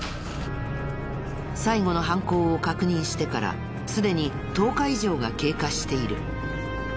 最後の犯行を確認してからすでに１０日以上が経過している。